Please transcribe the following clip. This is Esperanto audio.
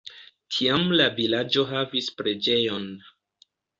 Tiam la vilaĝo havis preĝejon.